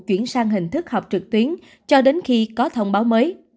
chuyển sang hình thức họp trực tuyến cho đến khi có thông báo mới